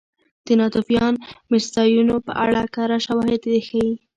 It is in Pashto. د ناتوفیان مېشتځایونو په اړه کره شواهد ښيي